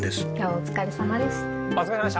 お疲れさまでした。